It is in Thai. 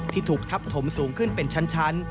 ถูกทับถมสูงขึ้นเป็นชั้น